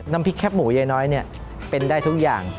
น้ำพริกแคบหมูยายน้อยเป็นได้ทุกอย่าง